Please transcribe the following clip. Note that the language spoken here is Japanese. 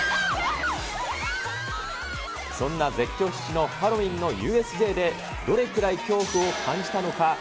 そんな絶叫必至のハロウィーンのＵＳＪでどれぐらい恐怖を感じたうわー！